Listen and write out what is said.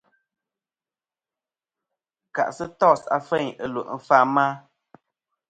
Kà'sɨ tos afeyn ɨlwe' fɨma.